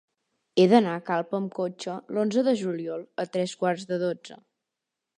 He d'anar a Calp amb cotxe l'onze de juliol a tres quarts de dotze.